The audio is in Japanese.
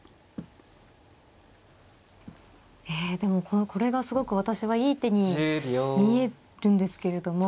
えでもこれがすごく私はいい手に見えるんですけれども。